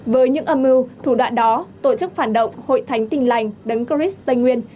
với những âm mưu thủ đoạn đó tổ chức phản động hội thánh tin lành đấng cris tây nguyên